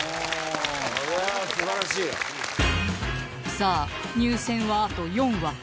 さあ入選はあと４枠